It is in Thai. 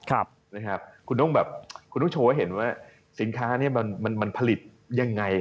คุณต้องแบบคุณต้องโชว์ให้เห็นว่าสินค้าเนี่ยมันผลิตยังไง